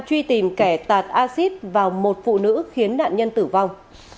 truy tìm kẻ tạt acid vào một phụ nữ khiến nạn nhân tử vong